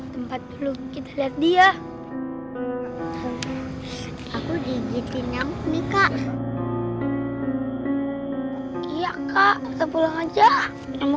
tempat dulu kita lihatnya kita sudah tahu